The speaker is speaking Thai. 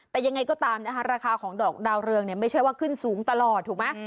แต่ยังไงก็ตามนะคะราคาของดอกดาวเรืองเนี่ยไม่ใช่ว่าขึ้นสูงตลอดถูกไหม